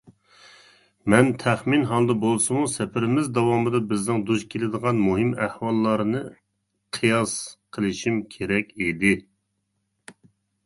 مەن تەخمىن ھالدا بولسىمۇ سەپىرىمىز داۋامىدا بىزنىڭ دۇچ كېلىدىغان مۇھىم ئەھۋاللارنى قىياس قىلىشىم كېرەك ئىدى.